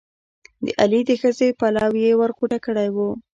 د علي د ښځې پلو یې ور غوټه کړی وو.